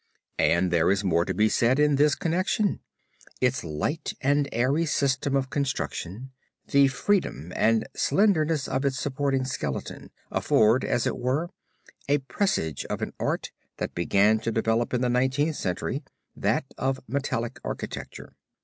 And there is more to be said in this connection. Its light and airy system of construction, the freedom and slenderness of its supporting skeleton, afford, as it were, a presage of an art that began to develop in the Nineteenth Century, that of metallic architecture.